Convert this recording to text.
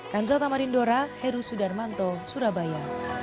kanjata marindora heru sudarmanto surabaya